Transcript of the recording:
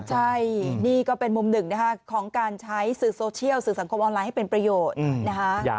ใช่นี่ก็เป็นมุมหนึ่งนะคะของการใช้สื่อโซเชียลสื่อสังคมออนไลน์ให้เป็นประโยชน์นะคะ